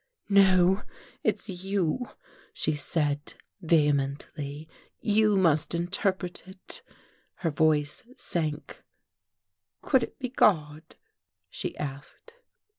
"No, it's you," she said vehemently. "You must interpret it." Her voice sank: "Could it be God?" she asked.